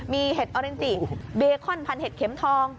มีเห็ดออรินจิเบคอนพันเห็ดเข็มทอง